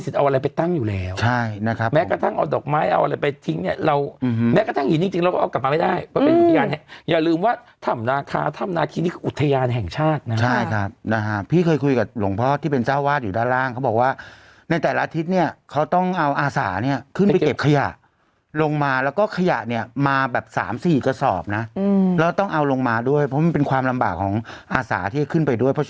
สรรพคุณก็ช่วยต้านอ่าเขาเรียกว่าต้านไบรัสด้วย